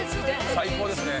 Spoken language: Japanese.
最高ですね。